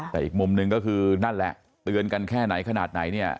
แต่อีกมุมหนึ่งก็คือนั่นแหละเตือนกันแค่ไหนขนาดไหนเนี่ย